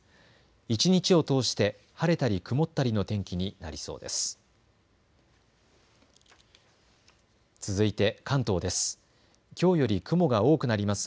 一日を通して晴れたり曇ったりの天気になりそうです。